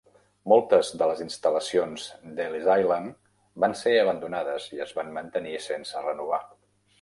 Moltes de les instal·lacions d'Ellis Island van ser abandonades i es van mantenir sense renovar.